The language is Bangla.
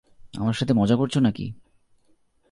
আমার সাথে মজা করছ নাকি?